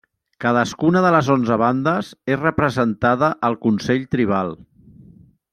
Cadascuna de les onze bandes és representada al consell tribal.